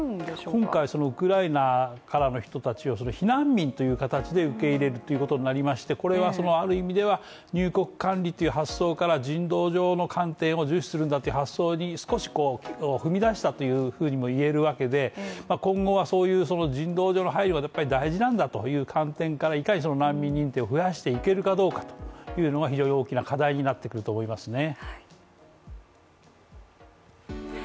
今回のウクライナからの人たちを避難民という形で受け入れるということになりましてこれはある意味では入国管理という発想から人道上の観点を重視するんだという発想に少し踏み出したというふうにも言えるわけで今後はそういう人道上の配慮は大事なんだという観点からいかにその難民認定を増やしていけるかどうかというのは非常に大きな課題になってくると思いますね。